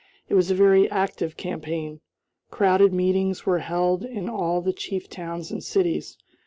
It was a very active campaign. Crowded meetings were held in all the chief towns and cities.